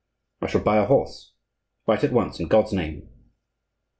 "I shall buy a horse. Write at once, in God's name."